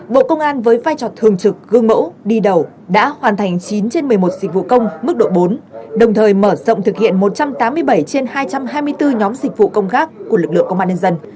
bộ công an với vai trò thường trực gương mẫu đi đầu đã hoàn thành chín trên một mươi một dịch vụ công mức độ bốn đồng thời mở rộng thực hiện một trăm tám mươi bảy trên hai trăm hai mươi bốn nhóm dịch vụ công khác của lực lượng công an nhân dân